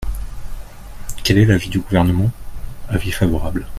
Quel est l’avis du Gouvernement ? Avis favorable.